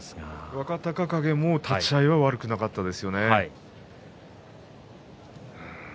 若隆景も立ち合い悪くなかったですよね。